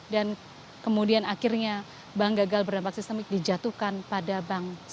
dan kemudian akhirnya bank gagal berdampak sistemik dijatuhkan pada bank